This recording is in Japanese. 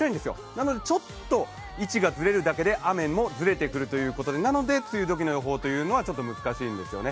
なのでちょっと位置がずれるだけで雨もずれてくるということでなので梅雨時の予報はちょっと難しいんですよね。